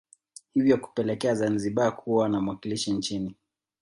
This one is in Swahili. Hivyo kupelekea Zanzibar kuwa na mwakilishi nchini